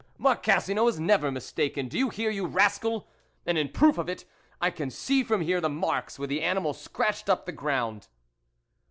" Marcassino is never mistaken, do you hear, you rascal ! and in prcof of it I can see from here the marks where the animal scratched up the ground."